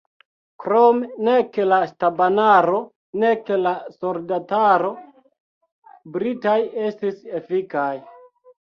Krome nek la stabanaro nek la soldataro britaj estis efikaj.